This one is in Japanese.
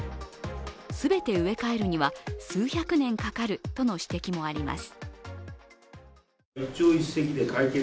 全て植え替えるには数百年かかるとの指摘もあります。